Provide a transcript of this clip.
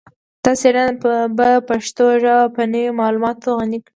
دا څیړنه به پښتو ژبه په نوي معلوماتو غني کړي